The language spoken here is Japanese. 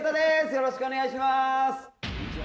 よろしくお願いします